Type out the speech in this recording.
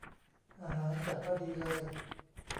อาหารจัดว่าดีเลย